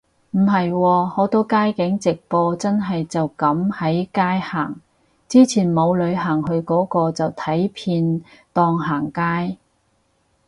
唔係喎，好多街景直播真係就噉喺街行，之前冇旅行去個個就睇片當行街